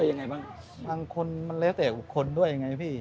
แล้วคนอื่นก็เจอยังไงบ้างบางคนมันแล้วแต่คนด้วยยังไงพี่